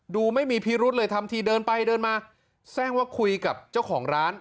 ดูไม่มีพิรุธเลยทำทีเดินไปเดินมาแทร่งว่าคุยกับเจ้าของร้าน